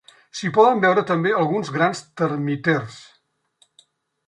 S'hi poden veure també alguns grans termiters.